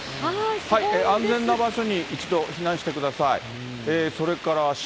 安全な場所に一度避難してください。